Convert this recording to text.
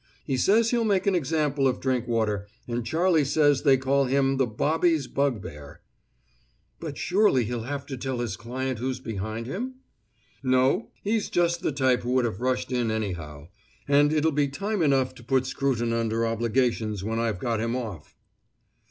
He says he'll make an example of Drinkwater, and Charlie says they call him the Bobby's Bugbear!" "But surely he'll have to tell his client who's behind him?" "No. He's just the type who would have rushed in, anyhow. And it'll be time enough to put Scruton under obligations when I've got him off!"